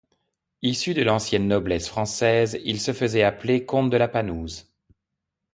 Issu de l'ancienne noblesse française il se faisait appeler comte de La Panouse.